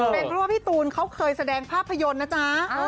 เป็นเพราะว่าพี่ตูนเขาเคยแสดงภาพยนตร์นะจ๊ะ